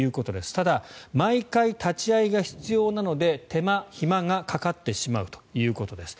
ただ毎回、立ち会いが必要なので手間ひまがかかってしまうということです。